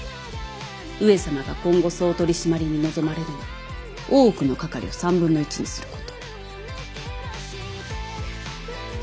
上様が今後総取締に望まれるのは大奥のかかりを３分の１にすること。